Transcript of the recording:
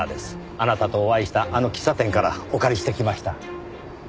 あなたとお会いしたあの喫茶店からお借りしてきました。